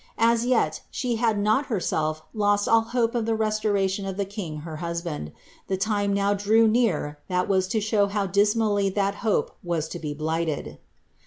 As yet she had not herself lost all hope of the restoration of the king her husband. The time now drew near tliat was to show how dismally that hope was to be blighted.